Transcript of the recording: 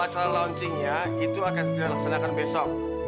acara launchingnya itu akan dilaksanakan besok